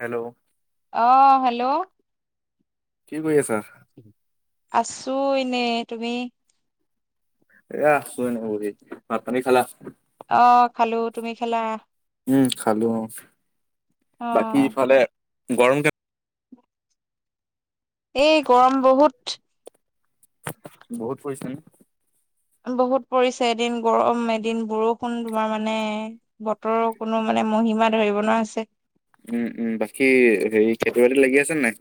Hello. অ hello. কি কৰি আছা? আছো এনে, তুমি? এ আছো এনে বহি মাত পানী খালা? অ খালো তুমি খালা উম খালো অ অ বাকী ইফালে গৰম [inaudible] এই গৰম বহুত বহুত [unintelligible] নে বহুত পৰিছে এদিন গৰম এদিন বৰষুণ তোমাৰ মানে বতৰৰ কোনো মানে মহিমা ধৰিব নোৱাৰে উম উম বাকী হেৰি খেতি বাতিত লাগি আছে ন নাই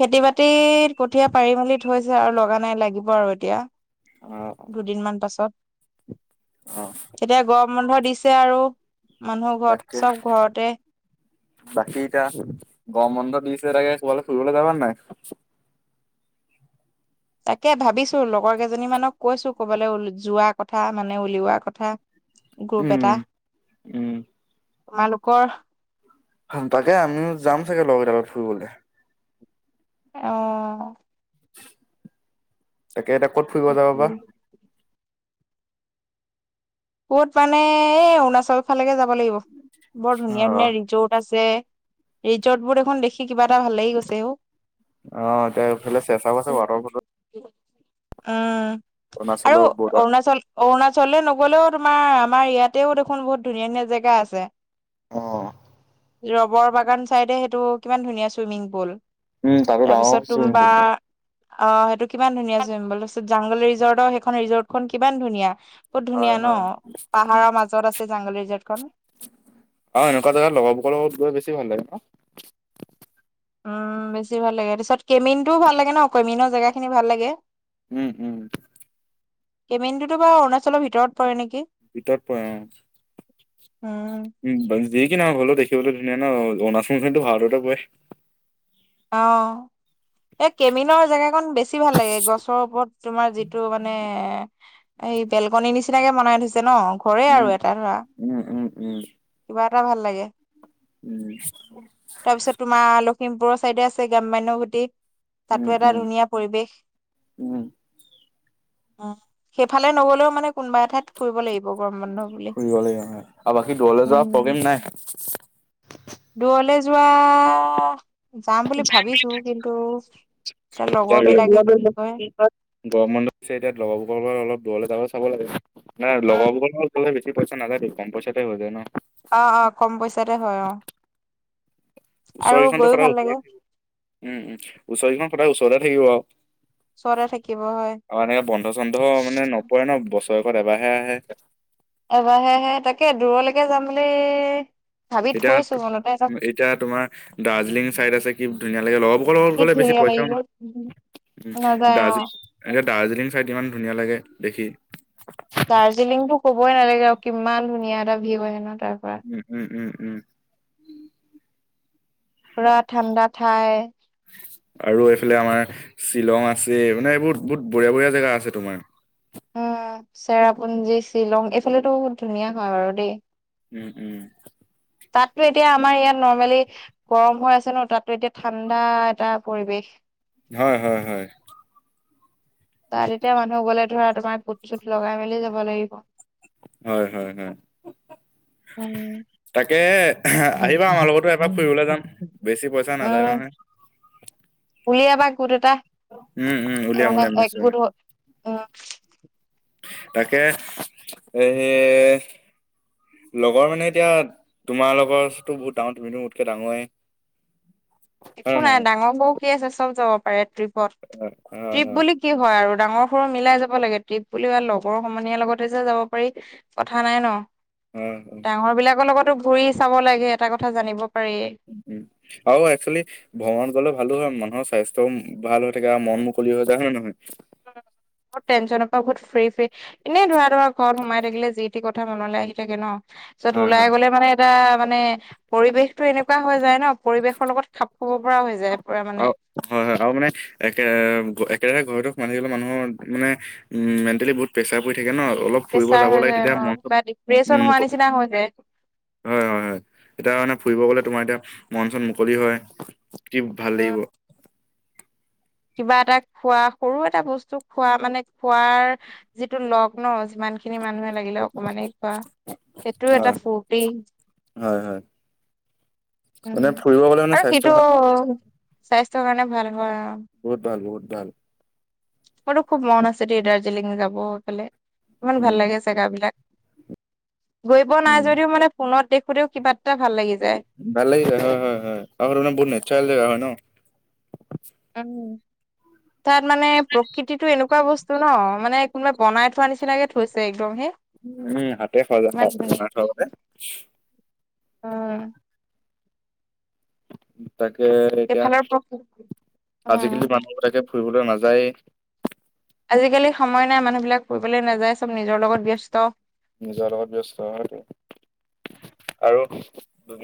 খেতি বাতিত কঠীয়া পাৰি মেলি থৈছে আৰু লগা নাই লাগিব আৰু এতিয়া অ দুদিন মান পাছত অ তেতিয়া গৰম বন্ধ দিছ আছে আৰু মানুহ ঘৰত তাক চব ঘৰতে বাকী এটা গৰম বন্ধত [unintelligible] আগে [unintelligible] ফুটবলৈ যাবাৰ নাই তাকে ভাবিছো লগৰ কেইজনী মানক কৈছো ক'বাললৈ যোৱা কথা মানে উলিওৱা কথা গ্ৰুপ এটা উম উম। তোমালোকৰ তাকে আমিও যাম চাগে লগৰ [unintelligible] ফুৰিবলে আহ তাকে এতিয়া ক'ত ফুৰিব যাব তাকে বা ক'ত মানে এ অৰুণাচল ফালেকে যাব লাগিব বৰ অ ধুনীয়া ধুনীয়া ৰিজৰ্ট আছে ৰিজৰ্ট বোৰ এখন দেখি কিবা এটা ভাল লাগি গৈছে অ' অ এতিয়া এইফালে [unintelligible] আছে ৱাটাৰ ফলত উম অৰুণাচলৰ আৰু বৰ্ডাৰ। অৰুণাচল অৰুণাচলেলৈ নগলেও তোমাৰ আমাৰ ইয়াতেও দেখোন বহুত ধুনীয়া ধুনীয়া জেগা আছে আহ ৰবৰ বাগান চাইডে সেইটো কিমান ধুনীয়া চুইমিং পুল উম তাতো ডাঙৰ তাৰপিছত তুম চুইমিং বা পুল অ সেইটো কিমান ধুনীয়া চব পিছত জাংগলী ৰিজৰ্ট সেইখন ৰিজখন কিমান ধুনীয়া বহুত ধুনীয়া হয় ন হয়। পাহাৰৰ মাজত আছে জাংগলী ৰিজাৰৰ্টখনন অ এনেকুৱা জাগগা [unintelligible] লগত গৈ বেছি ভাল লাগে ন উম বেছি ভাল লাগে ত পাৰিছত কেমিনটোও ভাল লাগে ন কেমিনৰ জেগাখিনি ভাল লাগে উম উম কেমেডুতো বা অৰুণাচলৰ ভিতৰত পৰে নেকি ভিতৰত প উম যিকি নহক [unintelligible] দেখিবলৈ ধুনীয়া ন অৰুণাচলখনো ভাৰততে পৰে আহ এই কেমিনৰ জেগাকন বেছি ভাল লাগে গছৰ ওপৰত তোমাৰ যিটো মানে এ এই বেলগননি নিচিনাকে বনাই থৈছে ন ঘৰে উম আৰু এটা ধৰা উম উম উম। কিবা টা ভাল লাগে উম থিমপুৰৰ [unintelligible] গ্ৰাম্যয় গুটি তাতো উম এটা উম ধুনীয়া পৰিৱেশ উম উ সেইফালে নগলেও মানে কোনোবা এঠাইত ফুৰিব লাগিব গৰম বন্ধ বুলি ফুৰিব লাগিব ন আৰু বাকী দূৰলৈ যোৱা উম প্ৰগ্ৰেম নাই [unintelligible] দূৰলে যোৱা যাম বুলি ভাবিছো কিন্তু এতিয়া লগৰ গৰম বিলাকে বন্ধ কি কয় [unintelligible] এতিয়া লগৰবোকৰ পৰা অলপ দৰলোবলৈ চাব লাগে ন অ লগৰবৰ গ'লে বেছি পইচা নাযায় কম পইচাতে হৈ যায় ন আহ অ কম পইচাতে হয় অ আৰু ওচৰিখনো গৈও সদায় ভাল লাগে ওচৰ থাকিব উ ওচৰিখন সদায় ওচৰতে থাকিব অ ওচৰতে থাকিব হয় এনেকে বন্ধ চন্ধ মানে নপৰে ন বছৰ ৰেকত এবাৰহে আহে। এবাৰহে আহে, তাকে দূৰলৈকে যাম বুলি ভাবি এতিয়া, থৈছো মনতে এটা এতিয়া তোমাৰ দাৰ্জিলিং চাইদ আছে কি ধুনীয়া লাহে, লগৰ বোৰৰ লগত কি গলে বেছি ধুনীয়া পইচাও লাগিব নাযায় অ [unintelligible] দাৰ্জিলিং থাইত ইমান ধুনীয়া লাগে দেখি। দাৰ্জিলিংটো কবই নালাগে আৰু কিমান [unintelligible] উম উম উম উম। পুৰা ঠাণ্ডা ঠাই। আৰু এইফালে আমাৰ শ্বিলং আছে, মানে এইবোৰ বহুত বঢ়িয়া বঢ়িয়া জেগা আছে তোমাৰ। উম, চেৰাপুঞ্জী শ্বিলং এইফালেতো বহুত ধুনীয়া হয় বাৰু দেই। উম উম। তাততো এতিয়া আমাৰ ইয়াত নৰ্মেলি গৰম হৈ আছে ন, তাততো এতিয়া ঠাণ্ডা এটা পৰিৱেশ। হয় হয় হয়। তাত তেতিয়া মানুহ গলে, ধৰা তোমাৰ কুট চুট লগাই মেলি যাব লাগিব। হয় হয় হয়, উম। তাকেহে আহিবা আমাৰ লগতো এবাৰ ফুৰিবলৈ যাম, বেছি পইচা নাযায় উম, নহয়। উলিয়াবা গোট এটা, উম উম উলিয়াম মানে উলিয়াম এক নিশ্চয় গোট হ তাকে এই লগৰ মানে এতিয়া, তোমাৰ লগৰটো বহুত ডাঙৰ তুমিতো মোতকে ডাঙৰেই। একো নাই ডাঙৰ সৰু কি আছে, চব যাব পাৰে ট্ৰিপত, হয় হয় ট্ৰিপ বুলি কি হয় আৰু। ডাঙৰ সৰু মিলাই যাব লাগে ট্ৰিপ বুলি লগৰ সমনীয়াৰ লগতে যে যাব পাৰি কথা নাই ন। হয় হয় ডাঙৰবিলাকৰ লগতো ঘুৰি চাব লাগে, এটা কথা জানিব পাৰি। উম আৰু একচুৱেলি ভ্ৰমণ গলে ভালো হয় মণ অ', স্বাস্থ্যও ভাল হৈ থাকে আৰু মন মুকলি হৈ যায় হয় নে নহয়। অহ। বহু টেন্যনৰ পৰা বহুত ফ্ৰী ফ্ৰী, এনেই ধৰা ধৰা ঘৰত সোমাই থাকিলে যি টি কথা মনলৈ আহি থাকে ন। পিছত হয় ওলাই হয়। গলে মানে এটা মানে পৰিৱেশটো এনেকুৱা হৈ যায় ন পৰিৱেশৰ লগত খাপ খাব পৰা হৈ যায়। আৰু পুৰা মানে হয় হয় আৰু মানে একে ৰাহে ঘৰতে থাকিলে মানুহৰ মানে, উম মেণ্টেলি বহুত প্ৰেচাৰ পৰি থাকে ন। অলপ ফুৰিব প্ৰেচাৰ যাব হৈ লাগে যায় তেতিয়া ন মনটো। কিবা ডিপ্ৰেচন হোৱা [unintelligible] নিচিনা হৈ যায় হয় হয় হয়, এতিয়া মানে ফুৰিব গ'লে তোমাৰ এতিয়া মন চন মুকলি হয়, কি ভাল লাগিব? উম কিবা এটা খোৱা সৰু এটা বস্তু খোৱা মানে খোৱাৰ যিটো লগ ন। যিমান খিনি মানুহে লাগিলে অকমানে খোৱা সেইটোও এটা হয় ফূৰ্তি। হয় হয় উম, মানে ফুৰিব গ'লে মানে আৰু স্বাস্থ্য সেইটো ভা- স্বাস্থ ৰ কাৰণে ভাল হয়। বহুত ভাল বহুত ভাল। মোৰো খুব মন আছে দেই দাৰ্জিলিং যাব সেইফালে, ইমান উম ভাল লাগে জেগাবিলাক। গৈ পোৱা নাই উম যদিও মানে ফোনত দেখোতেও কিবা এটা ভাল লাগিছে। ভাল লাগিছে হয় হয় হয়, আৰু মানে বহুত নেচাৰেল জেগা হয় ন। উম। [inaudible] তাত মানে প্ৰকৃতিতো এনেকুৱা বস্তু ন, মানে কোনোবাই বনাই থোৱা নিচিনাকে থৈছে একদম হেই। উম উম, হাতেই সজাই থোৱা গতে। উম। [inaudible] তাকে এতিয়া এইফালৰ প্ৰকৃতি উম আজিকালি মানুহ বিলাকে ফুৰিবলৈ নাযায়েই। আজিকালি সময় নাই, মানুহবিলাক ফুৰিবলৈ নাযায় চব নিজৰ লগত ব্যস্ত। নিজৰ লগত ব্যস্ত। আৰু তুি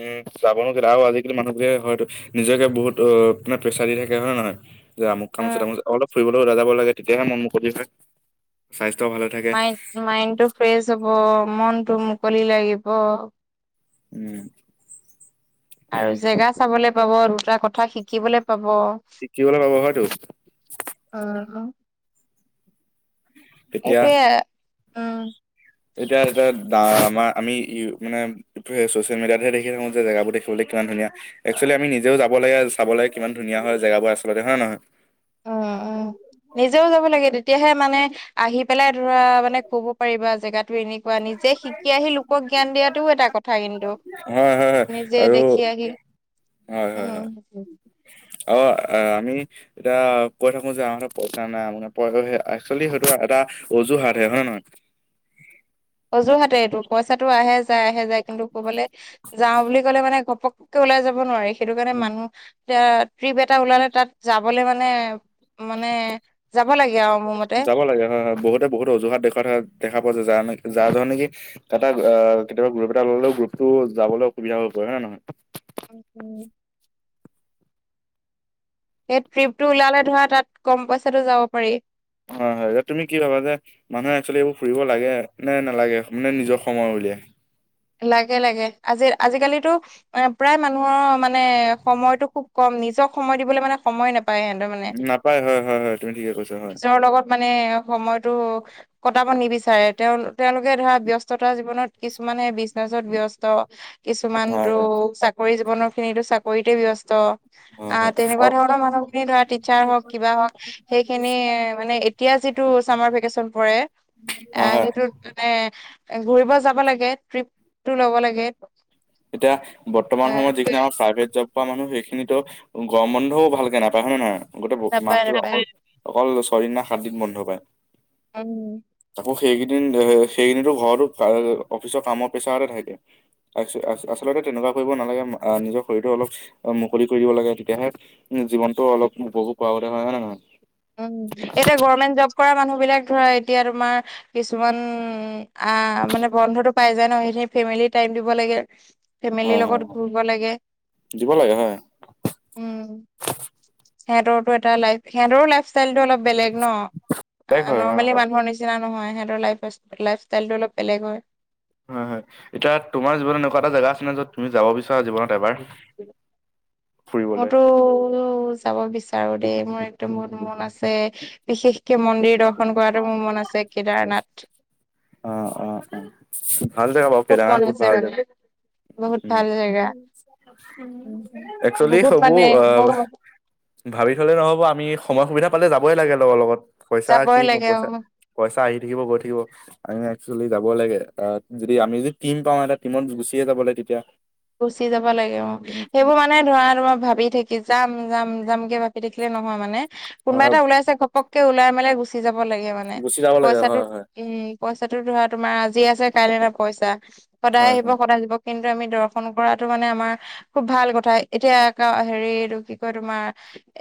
যাবনোা আৰু আজিকালি মানুহবোে হয়তো নিজকে বহুত অ মানে প্ৰেছাৰ দি থাকে হয় নে নহয় যে আমক কাম উম আছে ত অলপ ফুৰিবলৈওা যাব লাগে তেতিয়াহে মন মুখত মাইড মাইণ্ডটো ফ্ৰেছ হ'ব মনটো মুকলি লাগিব উম আৰু জেগা চাবলৈ পাব দুটা কথা শিকিবলৈ পাব অ', শিকিিবলে পাব হয়তটো আহ তেতিয়া এইটয়ে উ এতিয়া এয়া আমাৰ আমি ই মানে চচিয়েল মিডিয়াত হে দেখি থাকো যে জেগাব বোৰ দেখিবলৈাক ধুন এক্চুৱেলি আমি নিজেও যাব লাগে চাব লাগে কিমান ধুনীয়া হয় জেগাবোৰ আচলতে হয় নে নহয় অ অ নিজেও যাব লাগে তেতিয়াহে মানে আহি পেলাই ধৰা মানে কব পাৰিবা জেগাত এনেকুৱা নিজে শিকি আহি লোকক জ্ঞান দিয়াতটোও এটা কথা কিন্তু হয় হয় হয় নিজে আৰু দেখি আহ আহি হয় হয় উম হয় অ আমি এয়া কৈ থাকো যে আমাৰাতত পইচা নাই মানে একোৱেলি সেইটো এটা অজুহাত হে হয়ে নহয় অজুহাতে এইটো পইচাটো আহে যায় আহে যায় কিন্তু ক'ৰবালে যাওঁ বুলি ক'লে মানে ঘপক ওলাই যাব নোৱাৰি সেইটো কাৰণে উম, মানুহ এতি ট্ৰিপ এটা ওলালে তাত যাবলৈ মানে মানে যাব লাগ যাব লাগে হয় হয় বহুতে বহুত অজুহাত দেখুৱা দেখা পোৱা যায়া নেকি যাৰ ধৰণেি তটা কেতিয়াবা গ্ৰুপ এটা ললেও গ্ৰুপতটো যাবলৈ অসুবিধা হৈ পৰে হয় নে নহয় উ সেই ট্ৰিপটো ওলালে ধৰা তাত কম পইচাটো যাব পাৰি হয় হয় এতি তুমি কি ভাবা যে মানুহে এক্চোৱেলি এইবোৰ ফুৰিব লাগে নে নালাগে মানে নিজৰ সময় পলৈিয় লাগে লাগে আজি আজিকালিতো এ প্ৰায় মানুহৰ মানে সময়তটো খুব কম নিজক সময় দিবলৈ মানে সময় নাপায় পাই সিহতৰ মানে নাপায় হয় হয় হয় তুমি ঠিকে কৈছা হয় নিজৰ লগত মানে সময়তো কটাব নিবিচাৰে তেওঁ তেওঁলোকে ধৰা ব্য্স্ততা জীৱনত কিছুমানে নেত ব্য্স্ত কিছুমান টো হয় হয় চাকৰি জীৱনৰ খিনিো চাকৰিতে ব্যস্ত হয় অ হয় তেনেকুৱা ধৰণৰ মানুহ খিনি ধৰা টিচাৰ হওক কিবা হওক সেইখিনি মানে এতিয়া যিটো চামাৰ ভেকেচন পৰে হয় আহ হয় সেইটোত মানে ঘূৰিব যাব লাগে ট্ৰিপটো ল'ব লাগে এতিয়া বৰ্তমান সময়ত যিখিনি আমাৰ প্ৰাইভেট জব কৰা মানুহ সেইখিনিত টো গৰম বন্ধও ভালকে নাপায় হয় নে নহয় গোটেই নাপায় মাহটো নাপায় অকল অকল কৰিৰিনা হাতদিত বন্ধ পায় উম ৌ সেইকেইদিন সেইকেইিনো ঘৰতো অফিচৰ কামৰ পেছা এতে থাই দিয় আচলতে তেনেকুৱা কৰিব নালাগে নিজৰ শৰীৰ অলপ মুকলি কৰি দিব লাগে তেতিয়াহে টো অলপ বহু পাৱৰে হয় নে নহয় উ এতিয়া গৰ্মেণ্ট জব কৰা মানুহ বি ধৰা এতিয়া তোমাৰ কিছুমান মানে বন্ধতটো পাই যায় ন সেইখিনিেম টাইম দিব লাগে ফেমিলিৰ হয় হয় লগত হয়, ঘূৰিব লাগে দিব লাগে হয় উম সিহঁতৰো এটা লফ সিহঁতৰো লাইফ ষ্টাইলতটো অলপ বেলেগ ন তাইক হয় হয় নৰ্মেলি হয় মানুহৰ নিচিনা নহয় সিহঁতৰ ল লাইফ ষ্টাইলটো অলপ বেলেগ হয় হয় হয় এতিয়া তোমাৰ জীৱনত একুৱা এটা জাগগাছে ন যত তুমি যাব বিচাৰা জীৱনত এবাৰ ফুৰিবলৈ মইতো যাব বিচাৰো তাৰো দেই মোৰ একদম বহুত মন আছে বিশেষ মন্দিৰ দৰ্শন কৰাটো মোৰ মন আছে কেদাৰনাথ অ অ অ ভাল জেগা বও খুব ফৰাঙাৰ মন ফুত আছে ভাল মানে জেগা বহুত ভাল জেগা উ উ উম, একচুৱেলি বহুত হব মানে আহ বহু ভাবি থলে নহ'ব আমি সময় সুবিধা পালে যাবই লাগে লগৰ লগত পইচা কি যাবই নো লাগে পইচা আৰু পইচা আহি থাকিব গৈ থাকিব আমি একচুৱেলি যাব লাগে আহ যদি আমি যদি টিম পাওঁ এটা টিমত গুচিয়ে যাব লাগে তেতিয়া গুচি যাব লাগে অ উম, সেইবোৰ মানে ধৰা তোমাৰ ভাবি থাকি যাম যাম যাম কেে ি দেখিলে নহয় মানে কোনব হয় হয় এটা ওাইছে ঘপকে ওলাই মেলাই গুচি যাব ল মানে গুচি যাব লাগে পইচাটোো হয় হয় উম পইচাটো ধৰা তোমাৰ আজি যি আছে কাইলৈ পইচা সদায় হয় আহিব হয় সদায় যিব কিন্তু আমি দ ন কৰাটো মানে আমাৰ খুব ভাল কথা এতিয়া হেৰিটো কি কয় তোমাৰ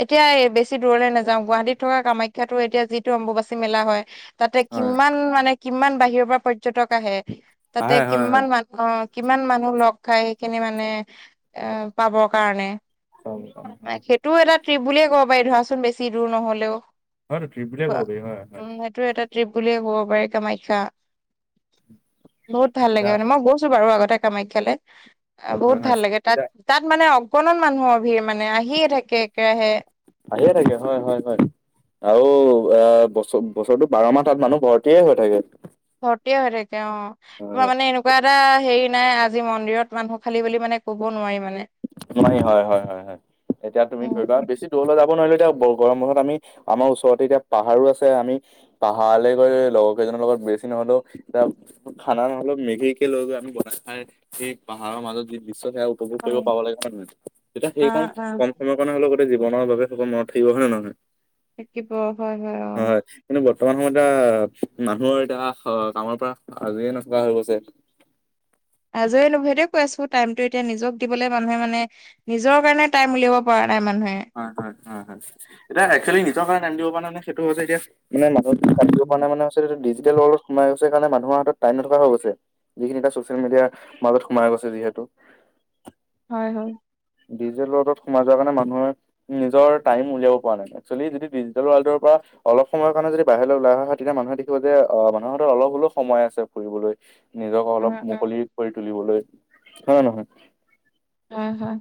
এতিয়া বেছি দূৰলৈ নাযাওঁ গুৱাহাটীত থকা কামাখ্যাত ো এতিয়া যিটো অম্বুবাচী মেলা হয় তাতে হয় কিমান মানে কিমান বাহিৰৰ পৰা পৰ্যটক আহে তাতে আহে হয় হয় কিমান মানু অ কিমান মানুহ লগ খাই সেইখিনি মানে এ পাবৰ কাৰণে অ সেইটোও এটা ট্ৰিপ বুলিয়ে ক'ব পাৰি ধৰাচোন বেছি দূৰ নহলেও হয়তো ট্ৰিপ বুলিয়ে ক'ব উ পাৰি হয় হয় সেইটো এাত ্ৰিপ বুলিয়ে ক'ব পাৰি কামাখ্যা বহুত ভাল লাগে এতিয়া মানে মই গৈছো বাৰু আগতে কামাখ্যালে হয় বহুত হয় ভাল লাগে তাত এতিয়া তাত মানে অগণন মানুহৰ ভিৰ মানে আহিয়ে থাকে একেৰাহে আহে থাকে হয় হয় হয় আৰু আহ বছৰ বছৰটো বাৰ মাহ তাত মানুহ ভৰটে হৈ থাকে ভৰ্তে হৈ থাকে অ তোমাৰ মানে এনেকুৱা এটা হেৰি নাই আজি মন্দিৰত মানুহ খালি বুলি মানে ক'ব নোৱাৰিম মান হয় হয় হয় হয় এতিয়া তুমি ধৰিবা উম বেছি দূৰলৈ যাব নোৱাৰলে এতিয়া গৰম বছত আমি আমাৰ ওচৰতে এতিয়া পাহাৰো আছে আমি পাহাৰলৈ গৈ লগৰ কেইজনৰ লগত বেছি নহলেও এতিয়া খানা নহ'লেও মেঘিকে লৈ গৈ আমি বনাই খাই সেই পাহাৰৰ মাজত যি বিশ্ব সে কৰিব হয় প লাগে হয় নহয় তেতিয়া সেইখন আহ আহ কম সময়ৰ কাৰণে হলে গোেই জীৱনৰ বাবেকল মনত থাকিব হয় নে নহয় তে প হয় হয় অ বৰ্তমান সময়ত এতিয়া মানুহৰ এতিয়া কামৰ পৰা আজৰিে নথকা হৈ গৈছে [inaudible] আজৰি নোেদে কৈ আছো টাইমতটো এতিয়া নিজক দিবলৈ মানুহে মানে নিজৰ কাৰণে টাইম উলিয়াব পৰা ন প্ৰায় মানুহে হয় হয় হয় হয় এতিয়া এক্চুৱেলি নিজৰ কাৰণে নাম দিব পৰা নাই সেইটো যে এতিয়া মানে মাজত িব পৰা ন মানেটো ডিজিটেলৰ্লতোম কাৰণে মানুহৰ হাতত টাই নথকা হৈ গৈছে যিখিনি এটা ছচিয়েল মিডিয়াৰ মাজত সোমাই গৈছে যিহেতু [inaudible] হয় হয় ডিজিটেল ৱৰ্ডত সোমাই যোৱাৰ কাৰণে মানুহে নিজৰ টাইম উলিয়াব পৰা নাই এক্চুৱেলি যদি ডিজিটেল ৱৰ্ল্ডৰ পৰা অলপ সময়ৰ কাৰণে যদি বাহিৰলৈ ওলাই অহ হয় তেতিয়া মানুহে দেখিব যে অ মানুহৰ হাতত অলপ হলে সময় আছে ফুৰিবলৈ নিজকে উম অলপ উম মুকলি কৰি তুলিবলৈ হয়ে নহয় হয় হয়।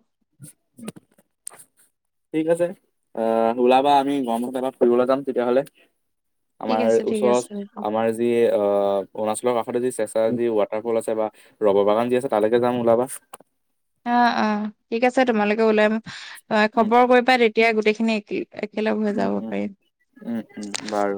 উম ঠিক আছে আহ ওলাবা আমি গৰম পত এমাৰ ফুৰিবলৈ যাম তেতিয়াহ'লে ঠিক আমাৰ আছে ঠিক ওচৰত আছে হ'ব। আমাৰ যি অ অৰুণাচলৰ কাষতে যি চেচা যি ৱাটাৰফল আছে বা ৰব বাগান যি আছে তালৈকে যাম ওলাবা অ অ ঠিক আছে তোমালোকে উওলাম উম খবৰ কৰিবা তেতিয়া গোটেইখিনি এক একেলগ হৈ উম যাব উম পাৰিম উম উম বাৰু